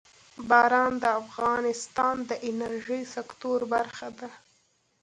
باران د افغانستان د انرژۍ د سکتور برخه ده.